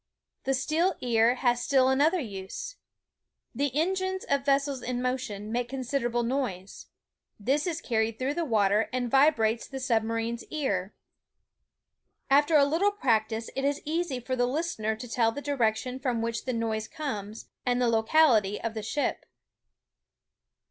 The steel ear has still another use. The en gines of vessels in motion make considerable noise. This is carried through the water and vibrates the sub marine's ear. After a Uttle practice it is easy for the listener to tell the direc tion from which the noise comes, and the locality of the ship.